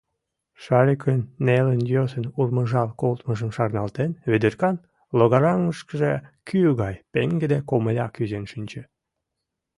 Шарикын нелын-йӧсын урмыжал колтымыжым шарналтен, Ведеркан логараҥышкыже кӱ гай пеҥгыде комыля кӱзен шинче.